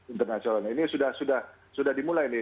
internasional ini sudah dimulai